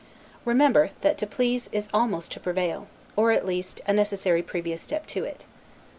Remember, that to please is almost to prevail, or at least a necessary previous step to it.